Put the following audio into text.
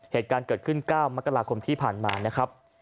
เหตุการณ์เกิดขึ้น๙มกราคมที่ผ่านมานะครับ